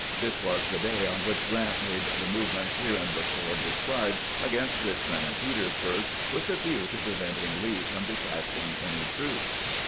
This was the day on which Grant made the movements hereinbefore described against Eichmond and Petersburg, with a view to preventing Lee from detaching any troops.